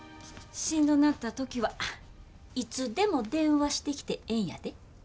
しんどなった時はいつでも電話してきてええんやで。